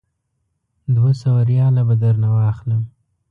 دوه سوه ریاله به درنه واخلم.